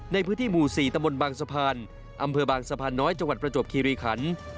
ในพื้นที่หมู่๔ตะบนบางสะพานอำเภอบางสะพานน้อยจังหวัดประจวบคีรีคัน